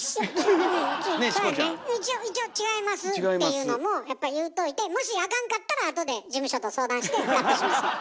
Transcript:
うん一応違いますっていうのもやっぱ言うといてもしあかんかったらあとで事務所と相談してカットしましょ。